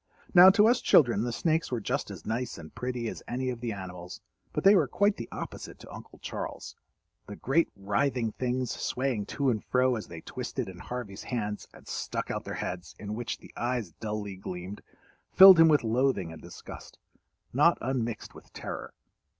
Now, to us children the snakes were just as nice and pretty as any of the animals, but they were quite the opposite to Uncle Charles. The great, writhing things, swaying to and fro as they twisted in Harvey's hands and stuck out their heads, in which the eyes dully gleamed, filled him with loathing and disgust, not unmixed with terror.